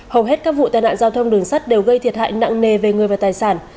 hầu hết các vụ tai nạn giao thông đường sắt đều gây thiệt hại nặng nề về người và tài sản